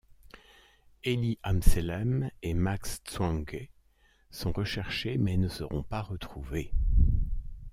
Elie Amselem et Max Tzwangue sont recherchés mais ne seront pas retrouvés.